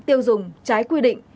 tiêu dùng trái quy định